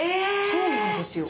そうなんですよ。